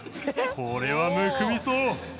これはむくみそう。